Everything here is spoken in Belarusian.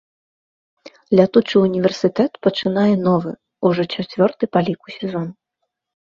Лятучы ўніверсітэт пачынае новы, ужо чацвёрты па ліку сезон.